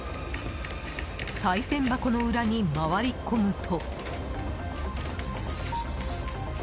さい銭箱の裏に回り込むと。